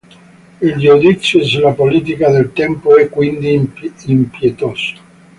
Il giudizio sulla politica del tempo è quindi impietoso.